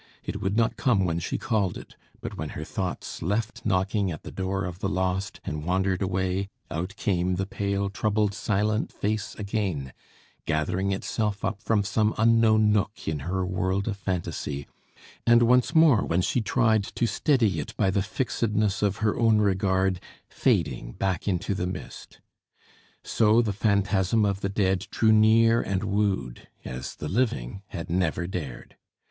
It would not come when she called it; but when her thoughts left knocking at the door of the lost, and wandered away, out came the pale, troubled, silent face again, gathering itself up from some unknown nook in her world of phantasy, and once more, when she tried to steady it by the fixedness of her own regard, fading back into the mist. So the phantasm of the dead drew near and wooed, as the living had never dared.